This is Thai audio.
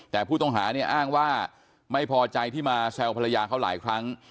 แต่ผู้ต้องหาเนี่ยอ้างว่าไม่พอใจที่มาแซวภรรยาเขาหลายครั้ง